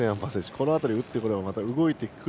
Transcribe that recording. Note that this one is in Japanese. この辺りに打ってくればまた動いてくる。